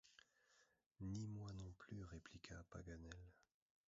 Ni moi non plus, répliqua Paganel.